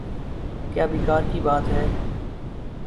کیا بیکار کی بات ہے۔